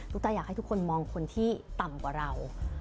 ตาอยากให้ทุกคนมองคนที่ต่ำกว่าเรา